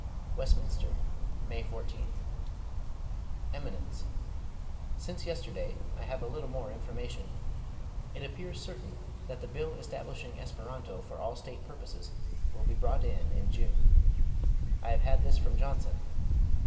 "WESTMINSTER, May 14th. "EMINENCE: Since yesterday I have a little more information. It appears certain that the Bill establishing Esperanto for all State purposes will be brought in in June. I have had this from Johnson.